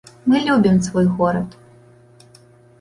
Мы любім свой горад.